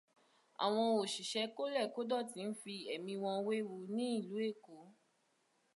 Àwọn òṣìṣẹ́ kólẹ̀-kódọ̀tí ń fi ẹ̀mí wọn wéwu ní ìlú Èkó.